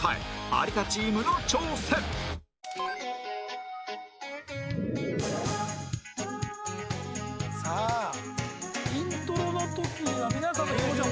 有田チームの挑戦さあイントロの時には皆さんの表情